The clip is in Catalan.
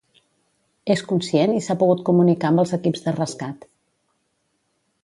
És conscient i s’ha pogut comunicar amb els equips de rescat.